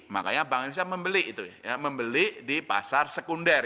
makanya bank indonesia membeli itu ya membeli di pasar sekunder